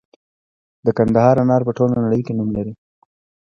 د کندهار انار په ټوله نړۍ کې نوم لري.